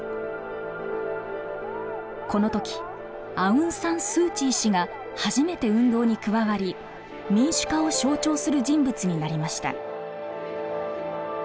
この時アウン・サン・スー・チー氏が初めて運動に加わり民主化を象徴する人物になりました。